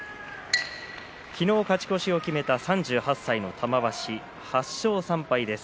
昨日勝ち越しを決めた３８歳の玉鷲、８勝３敗です。